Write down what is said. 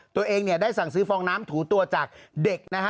ตัวเองเนี่ยได้สั่งซื้อฟองน้ำถูตัวจากเด็กนะฮะ